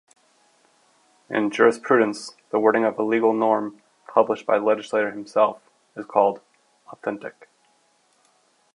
In jurisprudence, the wording of a legal norm published by the legislator himself is called "authentic".